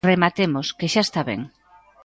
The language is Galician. Rematemos, ¡que xa está ben!